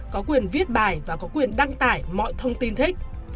có quyền viết bài và có quyền đăng tải mọi thông tin thích